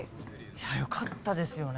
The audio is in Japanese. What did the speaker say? いや良かったですよね。